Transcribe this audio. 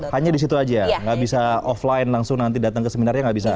hanya di situ aja nggak bisa offline langsung nanti datang ke seminarnya nggak bisa